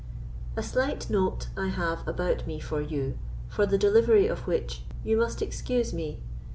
A slight note I have about me for you, for the delivery of which you must excuse me.